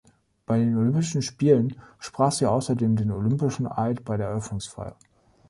Bei den Olympischen Spielen sprach sie außerdem den olympischen Eid bei der Eröffnungsfeier.